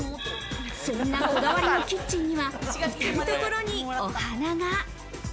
そんなこだわりのキッチンには、いたるところにお花が。